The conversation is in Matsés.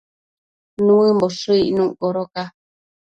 Nuëmboshë icnuc codoca